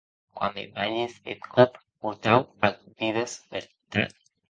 Quan me balhes eth còp mortau ac dides, vertat?